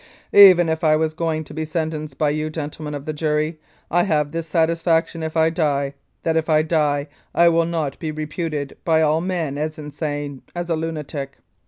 " Even if I was going to be sentenced by you, Gentlemen of the Jury, I have this satisfaction if I die that if I die I will not be reputed by all men as insane, as a lunatic.